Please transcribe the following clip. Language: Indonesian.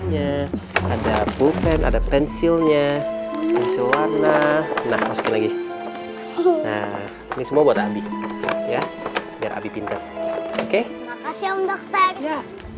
nya ada bupen ada pensilnya warna lagi semua ya biar pinter oke ya